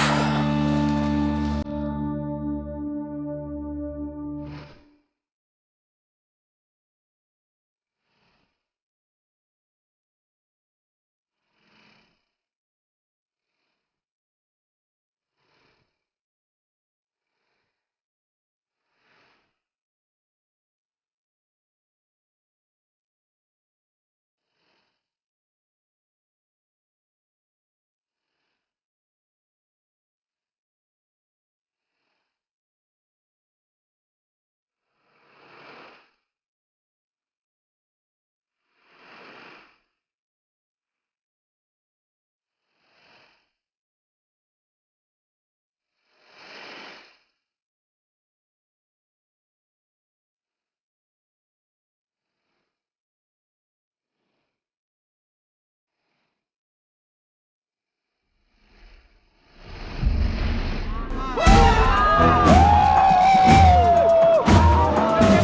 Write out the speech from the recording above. ya allah mudah mudahan raya cepet sembel